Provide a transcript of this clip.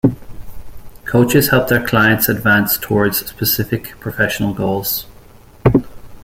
Coaches help their clients advance towards specific professional goals.